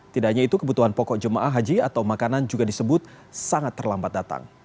tidak hanya itu kebutuhan pokok jemaah haji atau makanan juga disebut sangat terlambat datang